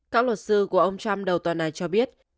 các luật sư của ông trump đầu tuần này cho biết